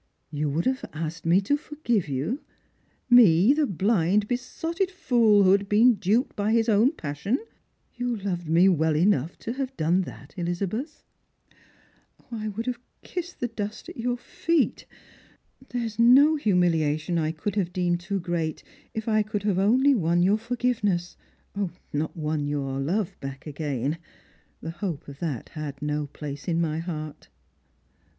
" You would have asked me to forgive you, me, the blind besotted fool who had been duped by his own passion ! You loved me well enough to have done that, Ehzabeth !"" I would have kissed the dust at your feet. There is no humiliation I could have deemed too great if I could have only won your forgiveness; not won your love back again — the hope of that had no place in my heart."